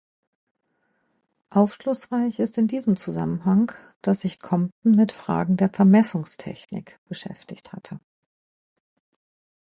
Aufschlussreich ist in diesem Zusammenhang, dass sich Compton mit Fragen der Vermessungstechnik beschäftigt hatte.